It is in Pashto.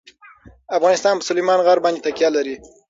افغانستان په سلیمان غر باندې تکیه لري.